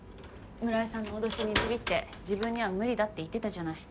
村井さんの脅しにびびって自分には無理だって言ってたじゃない。